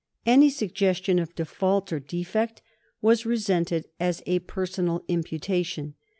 Any suggestion of default or defect was resented as a personal imputation.